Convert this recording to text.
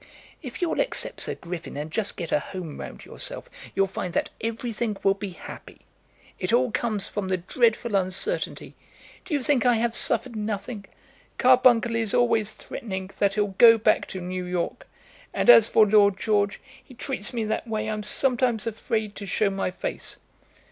"If you'll accept Sir Griffin, and just get a home round yourself, you'll find that everything will be happy. It all comes from the dreadful uncertainty. Do you think I have suffered nothing? Carbuncle is always threatening that he'll go back to New York, and as for Lord George, he treats me that way I'm sometimes afraid to show my face."